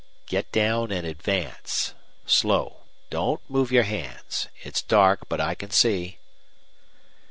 "Get down and advance. Slow. Don't move your hands. It's dark, but I can see."